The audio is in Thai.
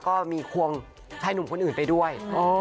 ก็มีควงชายหนุ่มคนอื่นไปด้วย